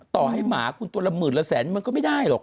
ต่อให้หมาคุณตัวละหมื่นละแสนมันก็ไม่ได้หรอก